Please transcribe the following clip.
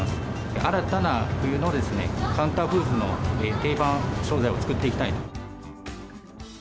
新たな冬のカウンターフーズの定番商材を作っていきたい。